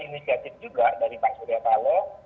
inisiatif juga dari pak surya paloh